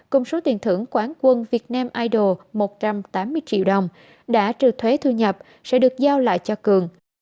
công số tiền thưởng quán quân việt nam idol một trăm tám mươi triệu đồng đã trừ thuế thu nhập sẽ được giao lại cho cường